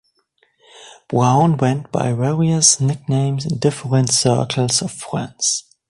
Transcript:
Brown went by various nicknames in different circles of friends.